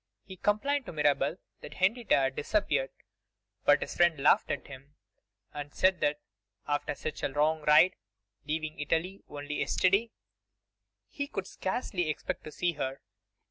He complained to Mirabel that Henrietta had disappeared, but his friend laughed at him, and said that, after such a long ride, leaving Italy only yesterday, he could scarcely expect to see her.